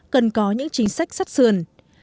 cần có những chính sách sắt sườn